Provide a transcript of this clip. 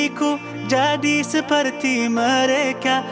aku mau berhenti mereka